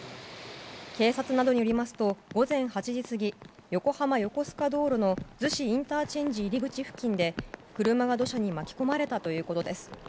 警察などによりますと午前８時過ぎ横浜横須賀道路の逗子ＩＣ入り口付近で車が土砂に巻き込まれたということです。